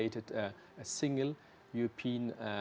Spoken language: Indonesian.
tidak ada persetujuan